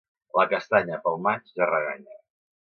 La castanya, pel maig, ja reganya.